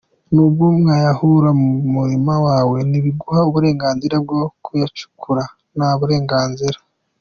N’ubwo wayatahura mu murima wawe, ntibiguha uburenganzira bwo kuyacukura nta burenganzira.